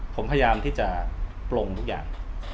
ผมพยายามที่จะปลงทุกอย่าง